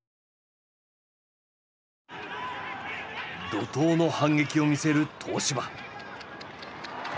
怒とうの反撃を見せる東芝。